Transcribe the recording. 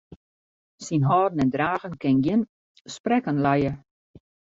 Syn hâlden en dragen kin gjin sprekken lije.